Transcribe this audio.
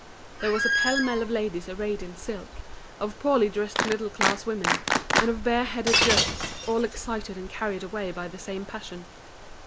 There was a pell mell of ladies arrayed in silk, of poorly dressed middle class women, and of bare headed girls, all excited and carried away by the same passion.